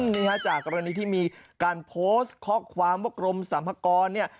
จากจะอันนี้ที่มีการโพสต์คอล์ดความว่ากรมสมัครคอนนี่